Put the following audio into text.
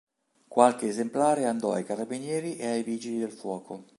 Qualche esemplare andò ai Carabinieri e ai Vigili del Fuoco.